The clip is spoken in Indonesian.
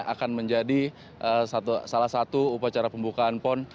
akan menjadi salah satu upacara pembukaan pon